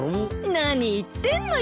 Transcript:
何言ってんのよ。